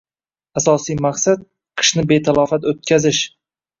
Asosiy maqsad – qishni betalofat o‘tkazish